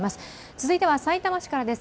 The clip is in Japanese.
続いてはさいたま市からです。